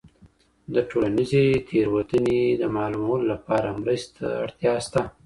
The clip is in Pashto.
د ټولنیزي تیروتني د معلومولو لپاره مرستي ته اړتیا سته.